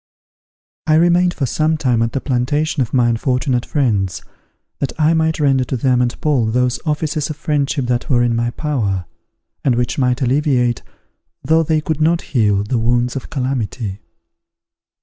I remained for some time at the plantation of my unfortunate friends, that I might render to them and Paul those offices of friendship that were in my power, and which might alleviate, though they could not heal the wounds of calamity.